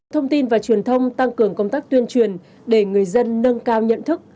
thông tin và truyền thông tăng cường công tác tuyên truyền để người dân nâng cao nhận thức